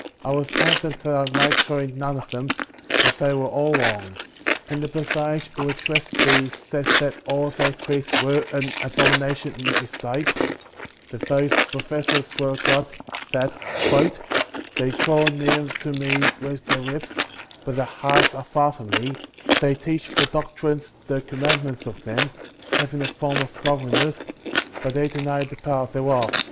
19. I was answered that I must join none of them, for they were all wrong; and the personage who addressed me said that all their creeds were an abomination in his sight; that those professors were all corrupt; that "they draw near to me with their lips, but their hearts are far from me; they teach for doctrines the commandments of men, hav ing a form of godliness, but they deny the power thereof.